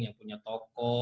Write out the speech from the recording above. yang punya toko